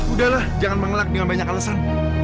udahlah jangan mengelak dengan banyak alasan